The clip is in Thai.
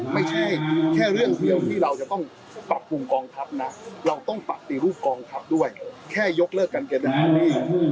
มีความจำเป็นต้องทำให้โด่งใสตรวจสอบได้